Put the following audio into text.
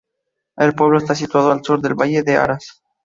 El pueblo está situado en sur del Valle de Aras.